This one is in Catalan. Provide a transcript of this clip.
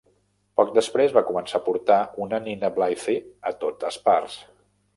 Poc després, va començar a portar una nina Blythe a totes parts.